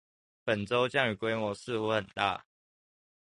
本週降雨規模似乎很大